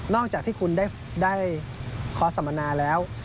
อกจากที่คุณได้ขอสัมมนาแล้ว